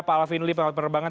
pak alvin lee penguat perbangan